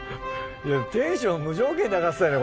テンション無条件に上がってたね